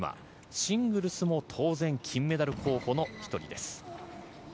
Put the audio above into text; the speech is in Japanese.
シングルスも当然、金メダル候補の１人です。